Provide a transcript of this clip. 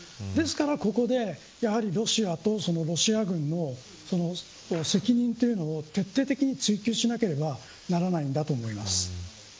ですからここでロシアと、ロシア軍の責任というのを徹底的に追求しなければならないんだと思います。